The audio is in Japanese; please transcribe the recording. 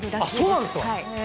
そうなんですか